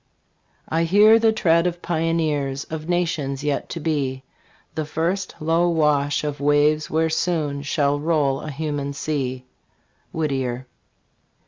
I hear the tread of pioneers Of nations yet to be ; The first low wash of waves where soon Shall roll a human sea. Whittier.